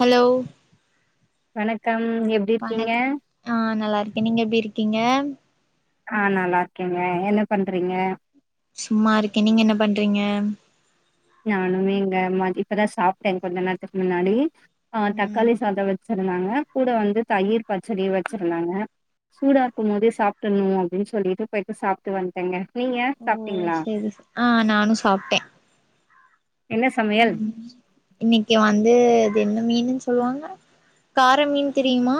Hello வணக்கம் எப் வணக்கம் ஆஹ் நல்லா இருக்கே நீங்க எப்டி இருக்கீங்க ஆ நல்லா இருக்கேங்க என்ன பண்றீங்க சும்மா இருக்கே நீங்க என்ன பண்றீங்க நானுமே இங்க இப்பதா சாப்ட்டே கொஞ்ச நேரத்துக்கு முன்னாடி ஆஹ் ம் தக்காளி சாதோ வச்சு தாங்க கூட வந்து தயிர் பச்சடி வச்சிருந்தாங்க சூடா இருக்கும் போதே சாப்ட்ரணு அப்டின்னு சொல்லிட்டு போய்ட்டு சாப்ட்டு வன்ட்டேங்க ஓ சரி ஆஹ் நானு சாப்ட்டே என்ன சமையல் உம் இன்னைக்கு வந்து இது என்ன மீனுன்னு சொல்லுவாங்க கார மீன் தெரியுமா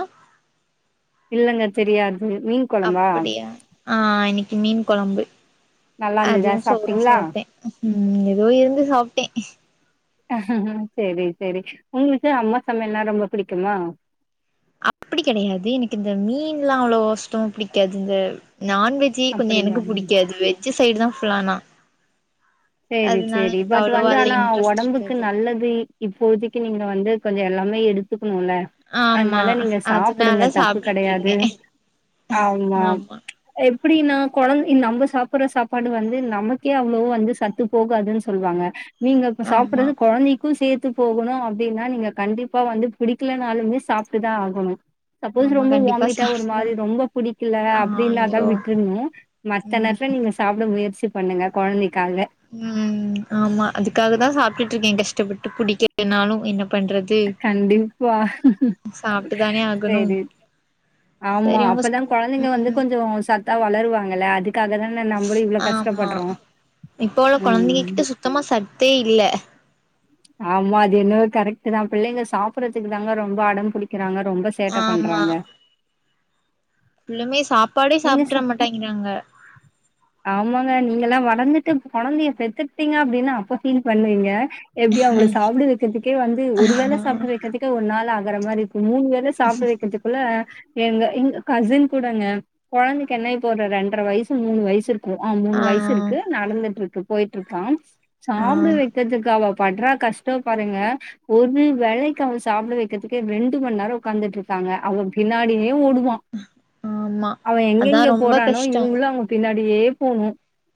இல்லங்க தெரியாதுங்க நீங்க அப்டியா ஆஹ் இன்னைக்கு மீன் குழம்பு நல்லா இருந்ததா அதுவு சோறு சாப்ட்டீங்களா சாப்ட்டே உம் வேவேகமா சாப்ட்டே ஹ சரி சரி உங்களுக்கு அம்மா சமையல்ன்னா ரொம்ப பிடிக்குமா அப்டி கெடையாது எனக்கு இந்த மீன்ல்லா அவ்ளோ கஷ்டோ பிடிக்காது இந்த நான்வெஜ் ஜு கொஞ்சோ அப்படியா எனக்கு பிடிக்காது வெஜ்ஜு சைடு தா ஃபுல்லானா சேரி சேரி பட் வந்து ஆனா உடம்புக்கு இருக்காது நல்லது இப்போதைக்கு நீங்க வந்து கொஞ்சோ எல்லாமே எடுத்துக்கணும்ல ஆமா அதனால நீங்க சாப்பிடுங்க அதனால தப்பு சாப்ட்டுட்டு கிடையாது இருக்கே ஆமா எப்டின்னா குழந்தை நம்ம சாப்பிடுற சாப்பாடு வந்து நமக்கே அவ்வளவா வந்து சத் போகாதுன்னு சொல்லுவாங்க நீங்க இப்ப ஆமா சாப்பிடுறது குழந்தைக் சேர்த்து போகணு அப்டின்னா நீங்க கண்டிப்பா வந்து பிடிக்கலனாலுமே சாப்ட்டுதா ஆகணு சப்போஸ் ஆமா ரொம்ப கண்டிப்பா வாமிட்டா ஒரு சாப்ட்டுதா மாரி ரொம்ப பிடிக்கல ஆ அப்படின்னாாதா ஐயோ விட்ருணு மத்த ம் நேரத்துல நீங்க சாப்ட முயற்சி பண்ணுங்க குழந்தைக்காக உம் ஆமா அதுக்காக தா சாப்ட்டுட்டு இருக்கே கஷ்டப்பட்டு பிடிக்கலனாலு என்ன பண்றது கண்டிப்பா. தி சாப்ட்டு தானே ஆகணு சரி. ஆமா சரி உங்க அப்பதா ஸ்கூ குழந்தைங்க வந்து ம் கொஞ்சோ சத்தா வளருவாங்கல்ல அதுக்காக தா நம்பளு இவ்ளோ கஷ் ஆமா கஷ்டப்படுறோ இப்போ உள்ள ம். குழந்தைங்ககிட்ட சுத்தமா சத்தே இல்ல ஆமா அது என்ன கரெக்ட் தா பிள்ளைங்க சாப்பிடுறதுக்கு தாங்க ரொம்ப அடம் புடிக்கிறாங்க ரொம்ப சேட்ட பண்றாங்க புல்லுமே சாப்பாடே நீங்க சாப்ட மாட்டேங்கிறாங்க ஆமாங்க நீங்கல்லா வளர்ந்துட்டு குழந்தைய பெத்துட்டீங்க அப்டின்னா அப்ப ஃபீல் பண்ணுவீங்க எப்டியு அவங்கள சாப்ட வைக்கிறதுக்கே வந்து ஒரு வேல சாப்பிட வைக்கிறதுக்கே ஒரு நாள் ஆகுற மாரி இருக்கு மூணு வேலை சா சாப்ட வைக்கிறதுக்குள்ள எங்க எங்க கசின் கூடங்க குழந்தைக்கு என்ன இப்போ ரெண்டரை வயசு மூணு வயசு இருக்கு ஆ மூணு வயசு இருக்கு நடந்துட்டு இருக்கு போயிட்டுருக்கா ஆ சாப்ட வைக்கிறதுக்கு அவ படுற கஷ்டோ பாருங்க ஒரு வேளைக்கு அவன சாப்பிட வைக்கிறதுக்கே ரெண்டு மண் நேரோ உக்காந்துட்டு இருப்பாங்க அவ பின்னாடியே ஓடுவா ஆமா அவ அதா எங்கெங்க ரொம்ப போறானோ கஷ்டோ இவங்களு அவ பின்னாடியே போணு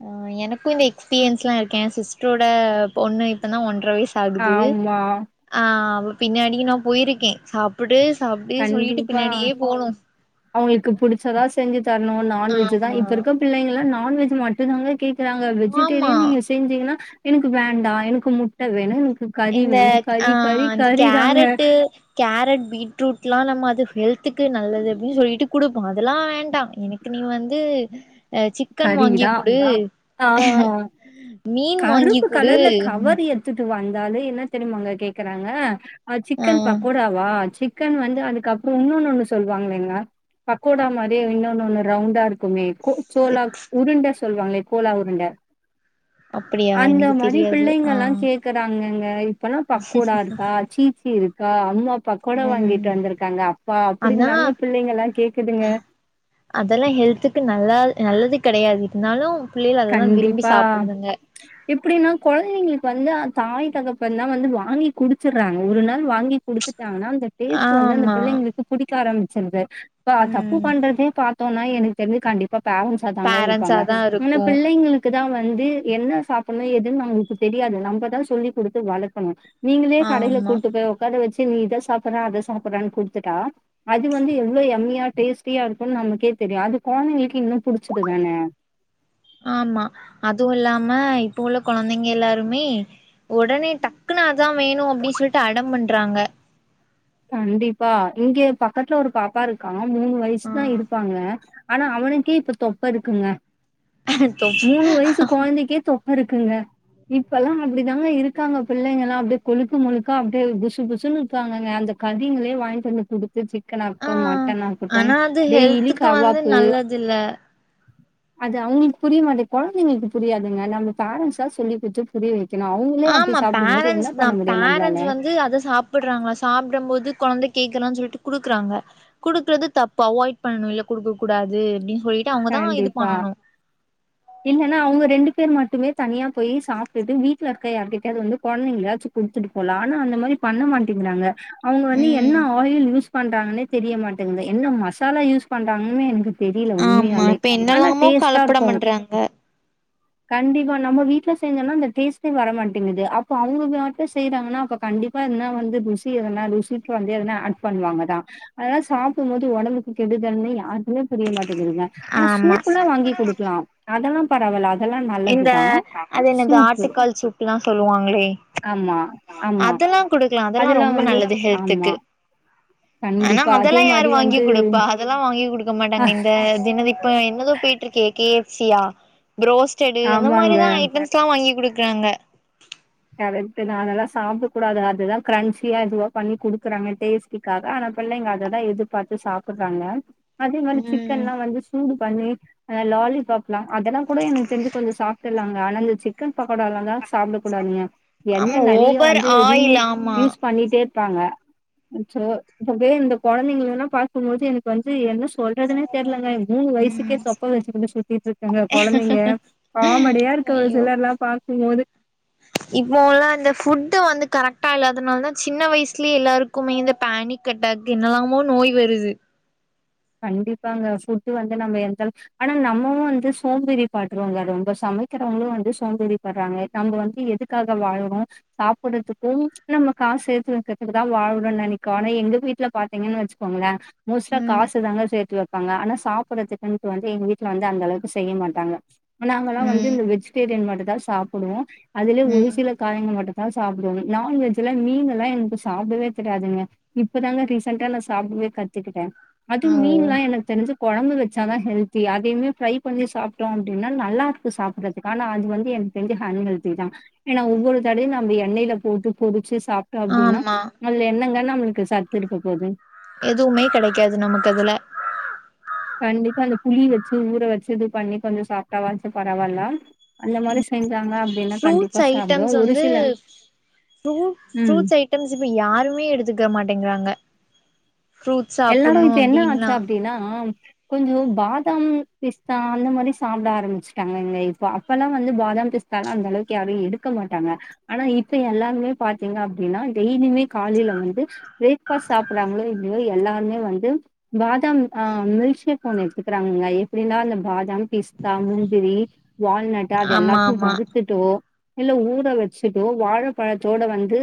ஆ எனக்கு இந்த எக்ஸ்பீரியன்ஸ்லா இருக்கு ஏ சிஸ்டரோட பொண்ணு இப்பதா ஒன்ற வயசு அகுது ஆமா ஆ அவ பின்னாடி நா போயிருக்கே சாப் புடு சாப்டு சொல்லிட்டு பின்னாடியே போணு அவங்ளுக்கு பிடிச்சதா செஞ்சு தர்ணு நான்வெஜ் தா ஆமா இப்ப இருக்க பிள்ளைங்களா நான்வெஜ் மட்டு தாங்க கேக்குறாங்க ஆமா வெஜிடேரியன் நீங்க செஞ்சீங்கன்னா எனக்கு வேண்டா எனக் கு முட்ட வேணு எனக்கு கறி இந்த வேணு ஆ கறி கறி இந்த கறி தாங்க கேரட்டு கேரட் பீட்ரூட்லா நம்ம அது ஹெல்த்துக் கு நல்லது அப்டின் சொல்லிட்டு குடுப்போ அதெல்லா வேண்டா எனக்கு நீ வந்து அ சிக் சிக்கன் வாங்கி கறிதா குடு ஆ மீன் வாங்கி குடு துக்கு வந்தாலே என்ன தெரியுமாங்க கேக்குறாங்க அ ஆ சிக்கன் பக்கோடா வா சிக்கன் வந்து அதுக்கப்றோ இன்னொன்னு ஒன்னு சொல்வாங்களேங்க பக்கோடா மாரியே இன்னொன்னு ஒன்னு ரவுண்டா இருக்குமே கோ சோலா சிக்ஸ் உருண்ட சொல்வாங்களே கோலா உருண்ட அப்படியா அந்த எனக்கு மாரி தெரியாது பிள்ளைங்க ஆ எல்லா கேக் கேக்குறாங்கங்க இப்பல்லா பக்கோடா இருக்கா சீச்சி இருக்கா அம்மா பக்கோடா ம் வாங்கிட்டு வந்திருக்காங்க அப்பா ஆனா அப்டின்தாங்க பிள்ளைங்க எல்லா கேக்குதுங்க அதெல்லா ஹெல்த்துக்கு நல்லா நல்லது கெடயாது இருந்தாலு பிள்ளையள் அததா விரும்பி கண்டிப்பா சாப்பிடுதுங்க எப்டின்னா கொழந்தைங்களுக்கு வந்து தாய் தகப்பன்தா வந்து வாங்கி குடுத்துர்றாங்க ஒரு நாள் வாங்கி குடுத்து டாங்கனா அந்த டேஸ்ட் வந்து அந்த ஆமா பிள்ளைங்களுக்கு புடிக்க ஆரம்பிச்சிருது ப தப்பு ம் பண்றதே பாத் தோனா எனக்கு தெரிஞ்சு கண்டிப்பா பேரன்ஸ் சாதாங்க இருப்பாங்க பேரண்ட்ஸாதா மின்ன இருக்கு பிள்ளைங் களுக்கு தா வந்து என்ன சாப்பிட்ணு எதுன் அவங்ளுக்கு தெரியாது நம்மதா சொல்லிக் குடுத்து வளக்கணு நீங்களே கடையில ஆமா கூட்டு போய் உக்கார வச்சு நீ இத சாப்புறா அத சாப்புறான் குடுத்துட்டா அது வந்து எவ்ளோ யம்மியா டேஸ்ட்டியா இருக்குன்னு நமக்கே தெரியு அது கொழந்தைங்களுக்கு இன்னு புடிச்சிருதுதான ஆமா அதுவு இல்லாம இப்ப உள்ள கொழந்தைங்க எல்லாருமே உடனே டக்குனு அதா வேணு அப்டின் சொல்லிட்டு அடம் பண்றாங்க கண்டிப்பா இங்கே பக்கத்துல ஒரு பாப்பா இருக்கா மூணு ஆ வயசுதா இருப்பாங்க ஆனா அவனுக்கே இப்ப தொப்ப இருக்குங்க தொப் மூணு வயசு கொழந்தைக்கே தொப் ப இருக்குங்க இப்பல்லா அப்டிதாங்க இருக்காங்க பிள்ளைங்கல்லா அப்டி கொழுக்கு மொழுக்கா அப்டியே புசு புசுன்னு இருப்பாங்கங்க அந்த கதிங்களே வாங்ட்டு வந்து குடுத்துச்சு சிக்கன் ஆ ஆகட்டும் மட்டன் ஆகட்டும் ஆனா அது டெய்லி ஹெல்த்துக்கு வந்து கவ்வாப்பு நல்லது இல்ல அது அவங்ளுக்கு புரிய மாட்டே கொழந்தைங்களுக்கு புரியாதுங்க நம்ம பேரன்ஸ்தா சொல்லி குட்த்து புரிய வைக்கணு அவங்ளே அப்டி ஆமா சாப்டும் போது என்ன பண்ண முடியு நம்ப்ளால து அத சாப் பிடுறாங்களா சாப்டும் போது கொழந்த கேக்குறான் சொல்ட்டு குடுக்குறாங்க குடுக்குறது தப்பு அவாய்ட் பண்ணணு இல்ல குடுக்க கூடாது அப்டின் சொல்லிட்டு அவங்கதா இது கண்டிப்பா. பண்ணணு இல்லன்னா அவங்க ரெண்டு பேர் மட்டுமே தனியா போய் சாப்ட்டுட்டு வீட்ல இருக்க யார் கிட்ட யாது வந்து கொழந்தைங்களாயாச்சி குடுத்துட்டு போலா ஆனா அந்த மாரி பண்ண மாட்டேங்கிறாங்க அவங்க வந்து என்ன ம் ஆயில் யூஸ் பண்றாங்கன்னே தெரிய மாட்டேங்குது என்ன மசாலா யூஸ் பண்றாங்கன்னே எனக்கு தெரியல ஆமா உண்மையாலே இப்ப ஆனா என்னெல்லாமோ டேஸ்ட்டா இருக்கு கலப்படம் பண்றாங்க கண்டிப்பா நம்ம வீட்ல செஞ்சோனா அந்த டேஸ்ட்டே வர மாட்டேங்குது அப்ப அவங்க மட்டு செய்றாங்கன்னா அப்ப கண்டிப் பனா வந்து ருசி எதுனா ருசிக்கு வந்து எதுனா ஆட் பண்ணுவாங்கதா அதலா சாப்டும்போது ஒடம்புக்கு கெடுதல்ன்னு யாருக்குமே தெரிய மாட்டேங்குங்க ஆனா ஆமா சூப்புல்லா வாங்கி குடுக்கலா அதெல்லாம் பரவால அதெல்லா இந்த நல்லதுதா அது என்னது சூப்பு ஆட்டுக்கால் சூப்லா சொல்லுவாங்களே ஆமா ஆமா அதெல்லா குடுக்கலா அதெல்லா ரொம்ப வந்து நல்லது ஹெல்த்துக்கு ஆமா ஆனா கண்டிப்பா. அதே அதெல்லா யாரு மாரி வாங்கி் வந்து குடுப்பா அதெல்லா வாங்கி குடுக்க மாட்டாங்க இந்த தினதி இப்ப என்னதோ போயிட்டு இருக்கே கே எஃப் சியா புரோஸ்டடு அந்த ஆமாங்க. மாரிதா ஐட்டம்ஸ்ல்லா வாங்கி குடுக்குறாங்க கரெட்டு நானெல்லா சாப்ட கூடாது அதுதா கிரன்ச்சியா இதுவா பண்ணி குடுக்குறாங்க டேஸ்ட் டுக்காக ஆனா பிள்ளைங்க அததா எதிர்பாத்து சாப்படுறாங்க அதே மாரி சிக்கன்ல்லா வந்து சூடு பண்ணி அ லாலிபப் அதெல்லா கூட எனக்கு தெரிஞ்சு கொஞ்சோ சாப்பட்டலாங்க ஆனா இந்த சிக்கன் பக்கோடாலாதா சாப் கூடாதீங்க எண்ண ஆமா நறைய ஓவர் வந்து ரீ ஆயில் ஆமா யூஸ் பண்ணிட்டே இருப்பாங்க அச்சோ இப்பவே இந்த குழந்தைங்கல்லா பாக்கும்போது எனக்கு வந்து என்ன சொல்றதுனே தெரிலங்க மூணு வயசுக்கே தொப்ப வச்சுக்கிட்டு சுத்திட்டு இருக்குங்க கொழந்தைங்க காமடியா இருக்கு ஒரு சிலர்ல்லா பாக்கும்போது இப்போல்லா இந்த ஃபுட்டு வந்து கரெக்ட்டா இல்லாதனால தா சின்ன வயசுலேயே எல்லாருக்குமே இந்த பேனிக் கட்டாக்கு என்னலாமோ நோய் வருது கண்டிப்பாங்க ஃபுட்டு வந்து நம்ம எந்த அளவு ஆனா நம்மமு வந்து சோம்பேறி படுறோங்க ரொம்ப சமைக்கிறவுங்களு வந்து சோம்பேறி படுறாங்க நம்ப வந்து எது க்காக வாழறோ சாப்டுறதுக்கு நம்ம காசு சேத்து வைக்கிறதுக்குதா வாழணுன் நெனைக்கு ஆனா எங்க வீட்ல பாத்தீங்கன்னு வச்சு க்கோங்ளா மோஸ்ட்டா ம் காசு தாங்க சேத்து வைப்பாங்க ஆனா சாப்படுறதுக்குன்ட்டு வந்து எங்க வீட்ல வந்து அந்த அளவுக்கு செய்ய மாட்டாங்க இப்ப நாங்களல்லா வந்து ம் இந்த வெஜிடேரியன் மட்டு தா சாப்புடுவோ அதுலே ஒரு ம் சில காயிங்க மட்டுத்தா சாப்டுவோமே நான்வெஜ்ஜுல மீனெல்லா எங்க்கு சாப்டவே தெரியாதுங்க இப்பதாங்க ரீசண்ய்டா நா சாப்டவே கத்துக்கிட்டே அது ஓ மீன்ல்லா எனக்கு தெரிஞ்சு கொழம்பு வச்சா தா ஹெல்த்தி அதைமே ஃப்ரை பண்ணி சாப்ட்டோ அப்டின்னா நல்லாருக்கு சாப்பிடறதுக்கு ஆனா அது வந்து என் தெஞ்சி ஹன் ஹெல்த்திதா ஏனா ஒவ்வொரு தடையு நம்ம எண்ணெயில போட்டு பொறிச்சு சாப் ட்றோ அப்டின்னா ஆமா அல்ல என்னங்க நம்மளுக்கு சத்து இருக்க போது எதுவுமே கெடைக்காது நமக்கு அதுல கண்டிப்பா அந்த புளி வச்சு ஊற வச்சு இது பண்ணி கொஞ்சோ சாப்டாவாச்சு பரவால்ல அந்த மாரி செஞ்சாங்க அப்டின்னா கண்டிப்பா சாப்டுவ ஒரு சில ஃப்ரூ ம் ஃப்ரூட்ஸ் ஐட்டம்ஸ் இப்ப யாருமே எடுத்துக்க மாட்டேங்கறாங்க எல்லாரு இப்ப என்ன ஆச்சா அப்டின்னா கொஞ்சோ பாதாம் பிஸ்தா அந்த மாரி சாப்ட ஆரம்பிச்சுட்டாங்க இங்க இப்ப அப்பல்லா வந்து பாதாம் பிஸ் த்தாலா அந்த அளவுக்கு யாரு எடுக்க மாட்டாங்க ஆனா இப்ப எல்லாருமே பாத்தீங்க அப்டின்னா டெய்லியுமே காலையில வந்து பிரேக்பாஸ்ட் சாப்படுறாங்களோ இல்லையோ எல்லாருமே வந்து பாதாம் ஆ மில்க்ஷேக் ஒண்ணு எடுத்துக்கிறாங்காங்க எப்டின்னா அந்த பாதாம் பிஸ்தா முந்திரி வால்நட்டு அது ஆமா எல்லாத்தையு ஆமா வறுத்துட்டோ இல்ல ஊற வச்சுட்டோ வாழப்பழத்தோட வந்து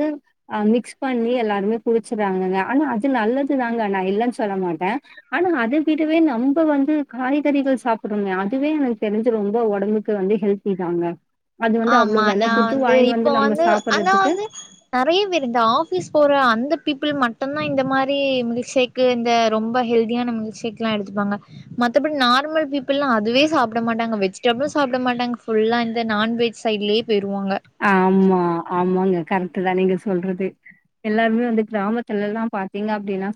ஆ மிக்ஸ் பண்ணி எல்லாருமே குடிச்சுறாங்கங்க ஆனா அது நல்லது தாங்க நா இல்லன்னு சொல்ல மாட்ட ஆனா அத விடவே நம்ப வந்து காய்கறிகள் சாப்பிறோமே அதுவே எனக்கு தெரிஞ்சு ரொம்ப ஒடம்புக்கு வந்து ஹெல்த் திதாங்க ஆமா நா வந்து இப்ப நம்ம வந்து ஆனா சாப்பிடுறதுக்கு வந்து நெறைய பேர் இந்த ஆஃபீஸ் போற அந்த பீப்புள் மட்டுதா இந்த மாதிரி மிஸ்சேக் இதுக்கு இந்த ரொம்ப ஹெல்தியான மில்க் ஷேக்லா எடுத்துப்பாங்க மத்தபடி நார்மல் பீப்புள்ல்லா அதுவே சாப்ட மாட்டாங்க வெஜிடபிள்ம் சாப்ட மாட்டாங்க புல்லா இந்த நான்வெஜ் சைடுலேயே போயிருவாங்க ஆமா ஆமாங்க கரெக்ட் தா நீங்க சொல்றது எல்லாருமே வந்து கிராமத்து எல்லா பாத்த இல்ல அப்படின்னா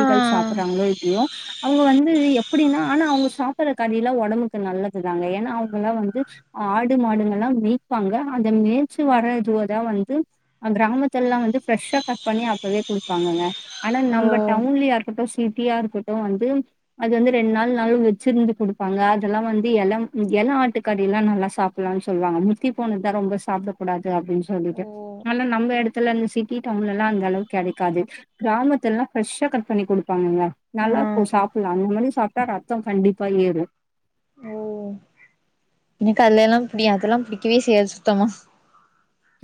ஆ சாப்றாங்களோ இப்டியோ அவங்க வந்து எப்டின்னா ஆனா அவங்க சாப்டுற கரி எல்லா ஒடம்புக்கு நல்லதுதாங்க ஏன்னா அவங்க எல்லா வந்து ஆடு மாடுங்கள்லா மேய்பாங்க அந்த மேச்சு வரறதுவதா வந்து கிராமத்தல எல்லா வந்து ஃப்ரெஷ்ஷா கட் பண்ணி அப்பவே கொடுப்பாங்கங்க ஆனா ஓ நம்ம டவுன்னிலியா இருக்கட்டு சிட்டியா இருக்கட்டு வந்து அது வந்து ரெண்டு நாள் நாளும் வச்சிருந்து குடுப்பாங்க அது எல்லா வந்து எளம் எள ஆட்டுக்கறில்லா நல்லா சாப் [unintelligible] சொல்லுவாங்க முத்தி போனதுதா ரொம்ப சாப்ட கூடாது அப்டின்னு ஓ சொல்லிட்டு ஆனா நம்ம இடத்துல அந்த சிட்டி டவுன்ல எல்லா அந்த அளவுக்கு கெடைக்காது கிராமத்தலல்லா ஃப்ரெஷ்ஷா கட் பண்ணி கொடுப்பாங்கங்க ஆ நல்லா இருக்கும் சாப்டலா அந்தமாதிரி சாப்ட்டா ரத்தம் கண்டிப்பா ஏறும் ஓ எனக்கு அதது எல்லா அது எல்லா பிடிக்கவே செய்யாது சுத்தமா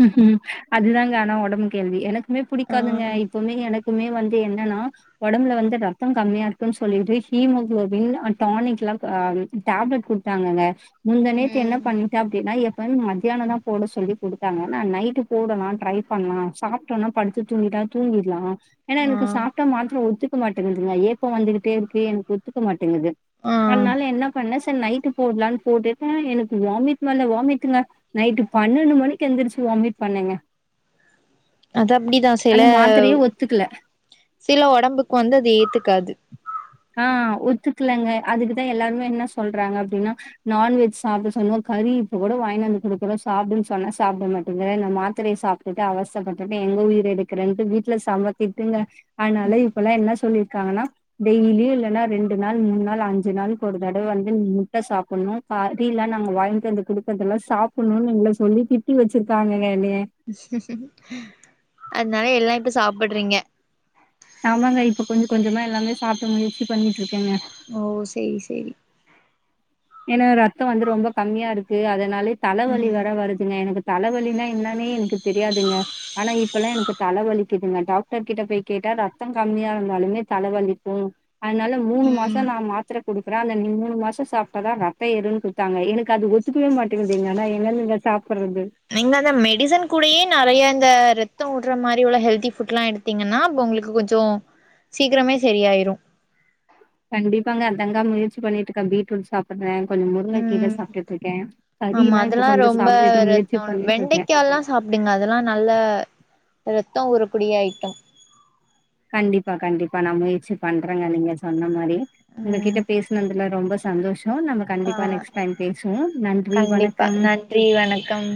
ம் அதுதாங்க ஆனா ஒடம்பு கெல்தி எனக்குமே ஆ பிடிக்காதுங்க இப்பமே எனக்கு எப்பவுமே வந்து என்னன்னா ஒடம்புல வந்து ரத்தம் கம்மியா இருக்குன்னு சொல்லிட்டு ஹீமோகுளோபின் டானிக்ல அ டேப்லெட் குடு குடுத்தாங்கங்க முந்தா நேத்து என்ன ம் பண்ணிட்டே அப்டின்னா எப்பயு மத்தியான தா போட சொல்லி குடு குடுத்தாங்கங்க நைட்டு போடலா ட்ரை பண்ணலா சாப்ட்டோம்ன்னா படுத்து தூங்கிட்டா தூங்கிருலா ஏன்னா ஆ எனக்கு சாப்ட்டா மாத்திர ஒத்துக்க மாட்டேங்குதுங்க ஏப்பம் வந்துகிட்டே இருக்கு எனக்கு ஒத்துக்கமாட்டுங்குது ஆ அதனால என்ன பண்ண சேரி நைட்டு போடலனு போட்டுட்டே எனக்கு வாமிட் மேல வாமிட்டுங்க நைட்டு பன்னெண்டு மணி எந்திரிச்சு வாமிட் பண்ணேங்க அது அப்டிதா சில அந்த மாத்திரையே ஒத்துக்கல சில ஒடம்புக்கு வந்து அது ஏத்துக்காது அ ஒத்துக்குலங்க அதுக்குதா எல்லாருமே என்ன சொல்றாங்க அப்டின்னா நான்வெஜ் சாப்ட சொன்னோ கறி இப்ப கூட வாங்கிட்டு வந்து குடுக்கறோ சாப்டு சொன்ன சாப்ட மாட்டீங்க இந்த மாத்திரை சாப்டு திட்டு அவஸ்தப்பட்டுட்டு எங்க உயிர் எடுக்கறன்ட் வீட்டுல செம்ம திட்டுங்க அதனால இப்ப எல்லா என்ன சொல்லிருக்காங்கன்னா டெய்லியு இல்லனா ரெண்டு நாள் மூணு நாளு அஞ்சு நாளுக்கு ஒரு தடவ வந்து முட்ட சாப்டணும் பாதி எல்லா நாங்க வாங்கிட்டு அந்த குடுக்கற எல்லா சாப்டணும்னு எங்க சொல்லி திட்டி வச்சிருக்காங்க என்னைய அதனால எல்லா இப்ப சாப்டுறீங்க ஆமாங்க இப்ப கொஞ்ச கொஞ்சமா எல்லாமே சாப்ட்டு முயற்சி பண்ணிட்டு இருக்கேங்க ஒ சேரி சேரி என்ன ரத்தம் வந்து ரொம்ப கம்மியா இருக்கு அதனாலய தலவலி ம் வேற வருதுங்க எனக்கு தலவலினா என்னானே எனக்கு தெரியாதுங்க ஆனா இப்ப எல்லா எனக்கு தலைவலிக்குதுங்க டாக்டர் கிட்ட போயி கேட்டா ரத்தம் கம்மியா இருந்தாலுமே தல வலிக்கு அதனால மூணு மாசோ ம் நா மாத்திரை குடுக்குறேன் அந்த மூணு மாசோ சாப்டு அதா ரத்தம் ஏறுன்னு குடுத்தாங்க எனக்கு அது ஒத்துக்கவே மாட்டுங்து ஆனா எங்கந்துருங்க சாப்டுறது நீங்க அந்த மெடிசன் கூடயே நெறைய இந்த ரத்தம் விடுற மாரி உள்ள ஹெல்தி ஃபுட் எல்லா எடுத்து பாத்தீங்கன்னா அப்ப உங்களுக்கு கொஞ்சோ சீக்கிரமே செரியாயிடு கண்டிப்பாங்க அதங்க முயற்சி பண்ணிட்டுருக்க பீட்ரூட் சாப்ப சாப்டுறேன் கொஞ்சம் முருங்க கீர ம் சாப்ட்டுட்டு இருக்கே ஆமா கறினா இப்ப அதெல்லா கொஞ்சு ரொம்ப சாப்ட்டு முயற்சி ரத்தோ பண்ணிட்டு இருக்கே வெண்டைக்கால்லா சாப்டுங்க அதெல்லா நல்ல ரெத்தம் ஊறக்கூடிய ஐட்டம் கண்டிப்பா கண்டிப்பா நா முயற்சி பண்றேங்க நீங்க சொன்ன மாரி உங்க கிட்ட ம் பேசுனதுல ரொம்ப சந்தோஷோ நம்ம ஆ கண்டிப்பா நெக்ஸ்ட் டைம் பேசுவோ நன்றி வணக்கம் றி வணக்கம்